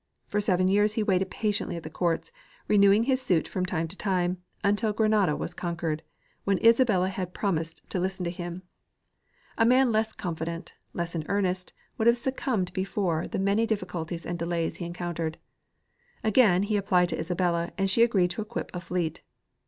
For seven years he waited patiently at the court, renewing his suit from time to time, until Grenada was conquered, when Isabella had promised to listen to him. A man less con * Plate 3. 8 Gardiner G. Hubbard — Discoverers of America. fident, less in earnest, would have succumbed before the many difficulties and delays he encountered. Again he applied to Isabella, and she agreed to equip a fleet.